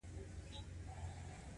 غړي باید د ښه شهرت لرونکي وي.